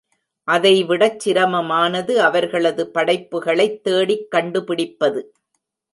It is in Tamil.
அதைவிடச் சிரமமானது அவர்களது படைப்புக்களைத் தேடிக் கண்டுபிடிப்பது.